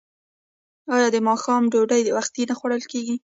آیا د ماښام ډوډۍ وختي نه خوړل کیږي؟